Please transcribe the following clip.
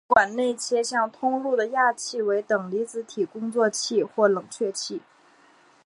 外管内切向通入的氩气为等离子体工作气或冷却气。